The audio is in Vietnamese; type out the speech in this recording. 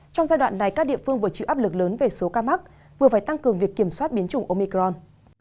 trong giai đoạn này các địa phương vừa chịu áp lực lớn về số ca mắc vừa phải tăng cường việc kiểm soát biến chủng omicron